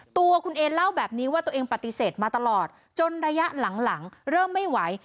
ตัวคุณเอนเล่าแบบนี้ว่าตัวเองปฏิเสธมาตลอดจนระยะหลังหลังเริ่มไม่ไหว